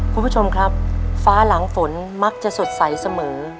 คุณผู้ชมครับฟ้าหลังฝนมักจะสดใสเสมอ